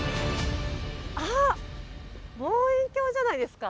あっ望遠鏡じゃないですか？